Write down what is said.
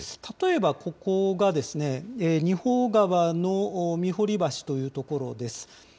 例えばここが仁保川の御堀橋という所です。